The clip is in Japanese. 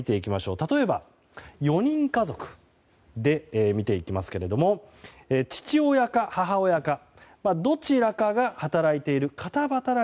例えば、４人家族で見ていきますけども父親か母親がどちらかが働いている片働き